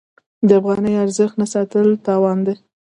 د افغانۍ ارزښت نه ساتل تاوان دی.